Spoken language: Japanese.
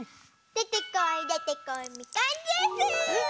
でてこいでてこいみかんジュース！